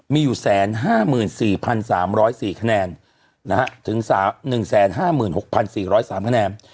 มีอยู่แสนห้าหมื่นสี่พันสามร้อยสี่คะแนนนะฮะถึงสามหนึ่งแสนห้าหมื่นหกพันสี่ร้อยสามคะแนน